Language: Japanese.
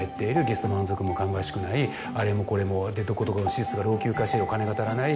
ゲスト満足も芳しくないあれもこれもでどこどこの施設が老朽化してお金が足らない。